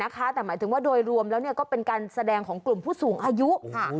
แต่หมายถึงว่าโดยรวมแล้วก็เป็นการแสดงของกลุ่มผู้สูงอายุค่ะ